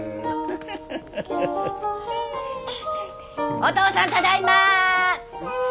お父さんただいま。